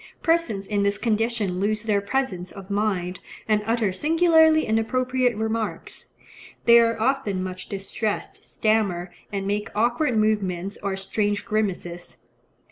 Persons in this condition lose their presence of mind, and utter singularly inappropriate remarks. They are often much distressed, stammer, and make awkward movements or strange grimaces.